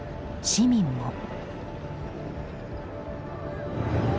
市民も。